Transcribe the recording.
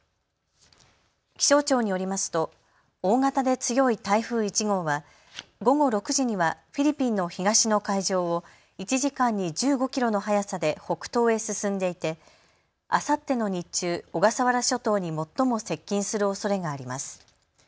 気象庁によりますと大型で強い台風１号は午後６時にはフィリピンの東の海上を１時間に１５キロの速さで北東へ進んでいてあさっての日中、小笠原諸島に最も接近するおそれがあります。